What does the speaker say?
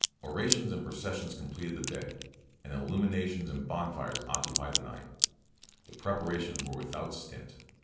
Orations and processions completed the day, and illuminations and bonfires occupied the night. The preparations were without stint.